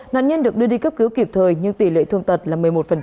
nạn nhân được đưa đi cấp cứu kịp thời nhưng tỷ lệ thương tật là một mươi một